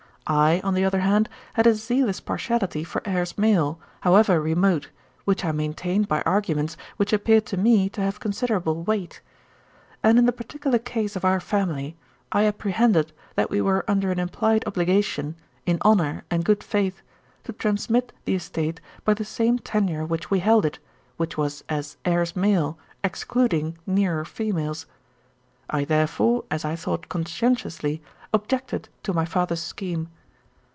I, on the other hand, had a zealous partiality for heirs male, however remote, which I maintained by arguments which appeared to me to have considerable weight. And in the particular case of our family, I apprehended that we were under an implied obligation, in honour and good faith, to transmit the estate by the same tenure which we held it, which was as heirs male, excluding nearer females. I therefore, as I thought conscientiously, objected to my father's scheme.